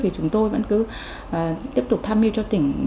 thì chúng tôi vẫn cứ tiếp tục tham mưu cho tỉnh